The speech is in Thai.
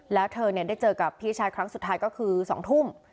แล้วเธอได้เจอกับพี่ชายครั้งสุดท้ายก็คือ๒ทุ่ม